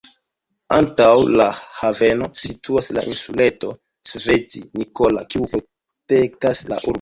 Antaŭ la haveno situas la insuleto "Sveti Nikola", kiu protektas la urbon.